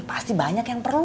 pasti banyak yang perlu